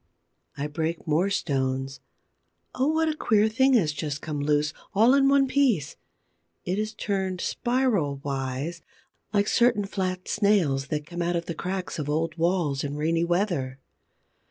I break more stones. Oh, what a queer thing has just come loose, all in one piece! It is turned spiral wise, like certain flat Snails that come out of the cracks of old walls in rainy weather.